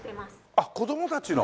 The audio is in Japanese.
あっ子供たちの？